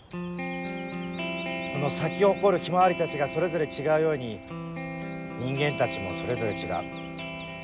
この咲き誇るヒマワリたちがそれぞれ違うように人間たちもそれぞれ違う。